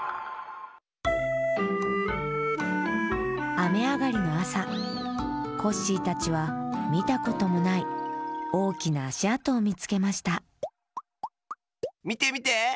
あめあがりのあさコッシーたちはみたこともないおおきなあしあとをみつけましたみてみて！